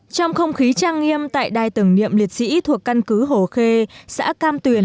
trong không khí trang nghiêm tại đài tưởng niệm liệt sĩ thuộc căn cứ hồ khê xã cam tuyền